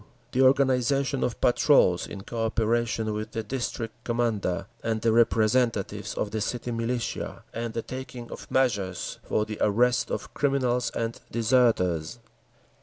The organisation of patrols, in co operation with the District Commander and the representatives of the city militia, and the taking of measures for the arrest of criminals and deserters.